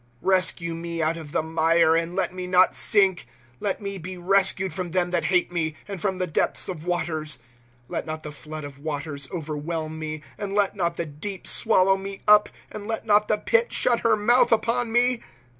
" Rescue me out of the mire, and let me not sink j Let me be rescued from thera that hate me, And from the depths of waters. 1^ Let not the flood of waters overwhelm me, And let not the deep swallow me up, And let not the pit shut her mouth upon me.